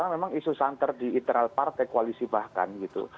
memang isu santer di internal partai koalisi bahkan gitu